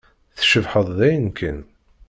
Tcebḥeḍ dayen kan!